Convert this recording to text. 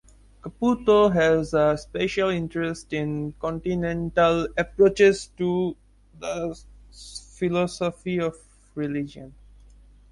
Caputo has a special interest in continental approaches to the philosophy of religion.